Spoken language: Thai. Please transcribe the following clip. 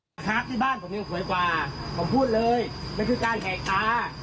นะครับที่บ้านผมยังสวยกว่าผมพูดเลยมันคือการแขกตา